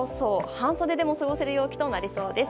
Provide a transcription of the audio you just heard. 半袖でも過ごせる陽気となりそうです。